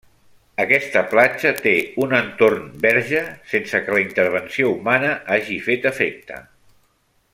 Aquesta platja té un entorn verge sense que la intervenció humana hagi fet efecte.